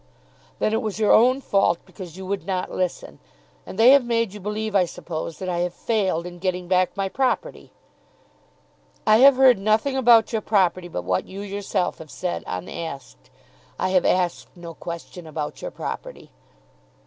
"Then it was your own fault, because you would not listen. And they have made you believe I suppose that I have failed in getting back my property?" "I have heard nothing about your property but what you yourself have said unasked. I have asked no question about your property."